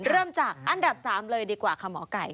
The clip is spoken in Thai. เริ่มจากอันดับ๓เลยดีกว่าค่ะหมอไก่